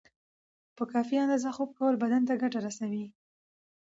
په کافی اندازه خوب کول بدن ته ګټه رسوی